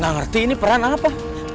nggak ngerti ini peran apa